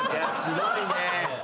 すごいね。